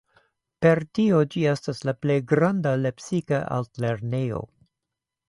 Per tio ĝi estas la plej granda lepsika altlernejo.